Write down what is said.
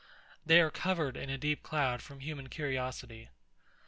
They are covered in a deep cloud from human curiosity.